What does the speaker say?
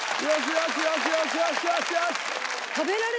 よしよしよしよし。